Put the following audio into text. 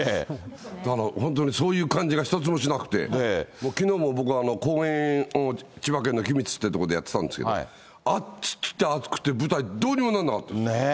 だから本当にそういう感じが一つもしなくて、きのうのぼくは公演を、千葉県の君津って所でやってたんですけど、暑くて暑くて舞台どうにもなんなかったです。ねぇ。